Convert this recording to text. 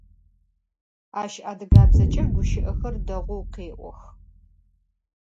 Aş adıgabzeç'e guşı'exer değou khê'ox.